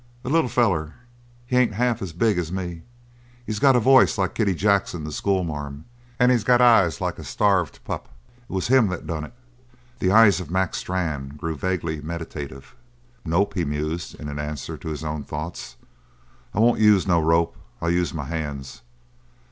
"A little feller. He ain't half as big as me. He's got a voice like Kitty Jackson, the school marm; and he's got eyes like a starved pup. It was him that done it." The eyes of Mac Strann grew vaguely meditative. "Nope," he mused, in answer to his own thoughts, "I won't use no rope. I'll use my hands.